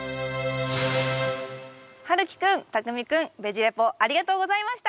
はるきくんたくみくんベジ・レポありがとうございました！